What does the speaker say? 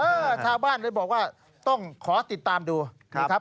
ชาวบ้านเลยบอกว่าต้องขอติดตามดูนะครับ